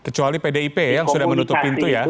kecuali pdip yang sudah menutup pintu ya